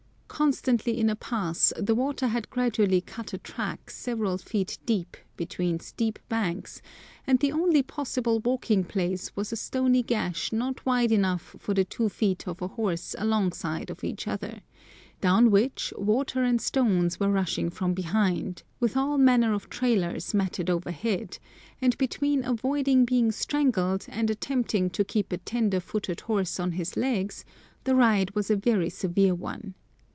Constantly in a pass, the water had gradually cut a track several feet deep between steep banks, and the only possible walking place was a stony gash not wide enough for the two feet of a horse alongside of each other, down which water and stones were rushing from behind, with all manner of trailers matted overhead, and between avoiding being strangled and attempting to keep a tender footed horse on his legs, the ride was a very severe one.